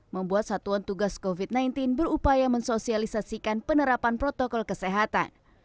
membuat satuan tugas covid sembilan belas berupaya mensosialisasikan penerapan protokol kesehatan